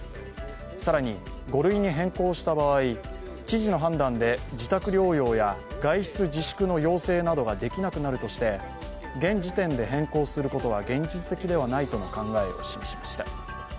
更に、５類に変更した場合知事の判断で自宅療養や外出自粛の要請などができなくなるとして現時点で変更することは現実的ではないとの考えを示しました。